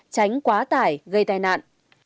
tránh quá tải gây tai nạn